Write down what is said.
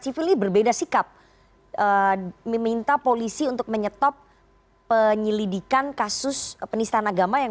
sivil ini berbeda sikap meminta polisi untuk menyetop penyelidikan kasus penistan agama yang